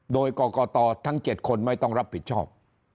โดยกรกตทั้ง๗คนไม่ต้องรับผิดชอบ